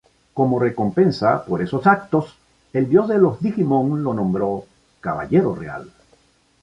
Cómo recompensa por esos actos, el Dios de los Digimon le nombró Caballero Real.